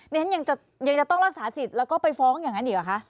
ฉันยังจะต้องรักษาสิทธิ์แล้วก็ไปฟ้องอย่างนั้นอีกเหรอคะ